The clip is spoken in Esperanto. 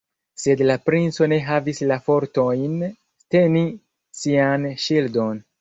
Sed la princo ne havis la fortojn teni sian ŝildon.